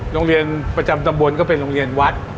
โรงเรียนประจำตำบลก็เป็นโรงเรียนวัด